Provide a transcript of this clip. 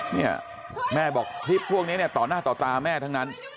เนี่ยแม่บอกคลิปพวกนี้เนี่ยต่อหน้าต่อตาแม่ทั้งนั้น